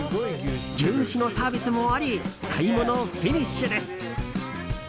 牛脂のサービスもあり買い物フィニッシュです。